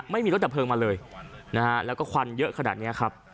ไม่มีรถดับเพลิงมาเลยนะฮะแล้วก็ควันเยอะขนาดนี้ครับ